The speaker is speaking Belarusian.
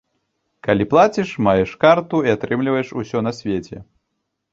Калі плаціш, маеш карту і атрымліваеш усё на свеце!